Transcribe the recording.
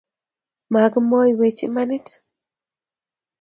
Makimwaiwech imanit